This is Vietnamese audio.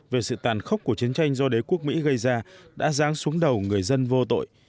về sự tàn khốc của chiến tranh do đế quốc mỹ gây ra đã dáng xuống đầu người dân vô tội